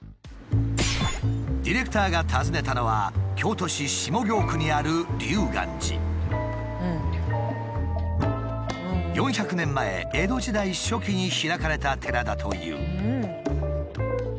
ディレクターが訪ねたのは京都市下京区にある４００年前江戸時代初期に開かれた寺だという。